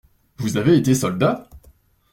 Vous avez été soldat?